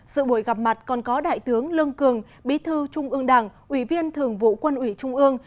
sự buổi gặp mặt còn có đại tướng lương cường bí thư trung ương đảng ủy viên thường vụ quân ủy trung ương